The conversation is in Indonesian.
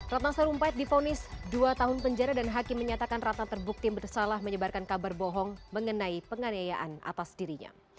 ratna sarumpait difonis dua tahun penjara dan hakim menyatakan ratna terbukti bersalah menyebarkan kabar bohong mengenai penganiayaan atas dirinya